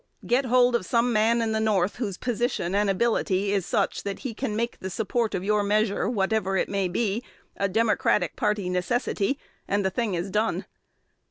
Get hold of some man in the North whose position and ability is such that he can make the support of your measure, whatever it may be, a Democratic party necessity, and the thing is done.